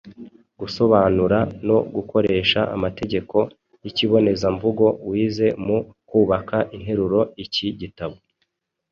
gusobanura no gukoresha amategeko y’ikibonezamvugo wize mu kubaka interuro Iki gitabo